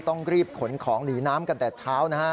ต้องรีบขนของหนีน้ำกันแต่เช้านะฮะ